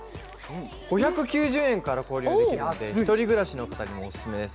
５９０円から購入できるので１人暮らしの方にオススメです。